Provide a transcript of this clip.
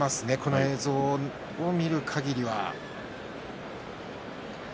映像を見るかぎりは。